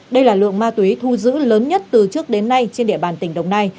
đây là lượng ma túy thu giữ lớn nhất từ trước đến nay trên địa bàn tỉnh đồng nai